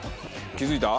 気付いた？